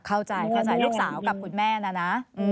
เข้าใจภาษาลูกสาวกับคุณแม่นะ